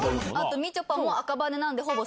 みちょぱも赤羽なんで。